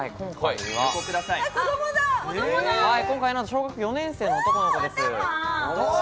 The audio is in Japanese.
今回は小学４年生の男の子です。